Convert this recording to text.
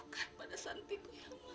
bukan pada santiku yang maaf